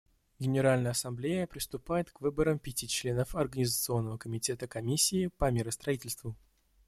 Генеральная Ассамблея приступает к выборам пяти членов Организационного комитета Комиссии по миростроительству.